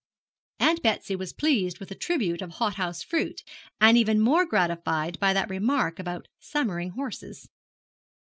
Aunt Betsy was pleased with the tribute of hothouse fruit, and even more gratified by that remark about summering horses.